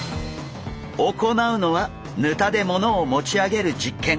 行うのはヌタで物を持ち上げる実験。